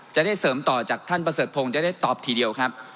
จะได้เสริมต่อจากท่านประเสริฐพงศ์จะได้ตอบทีเดียวครับ